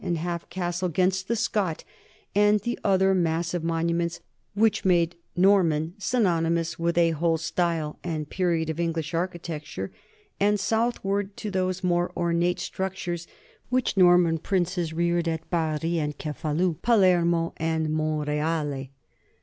NORMAN LIFE AND CULTURE 189 half castle 'gainst the Scot," and the other massive monuments which made ' Norman ' synonymous with a whole style and period of English architecture, and southward to those more ornate structures which Norman princes reared at Bari and Cefalu, Palermo and Monreale.